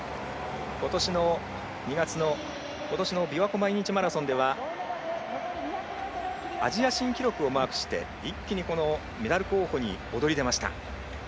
ことしの２月のびわ湖毎日マラソンではアジア新記録をマークして一気にメダル候補に躍り出ました。